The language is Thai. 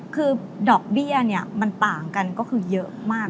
คือดอกเบี้ยมันต่างกันก็คือเยอะมาก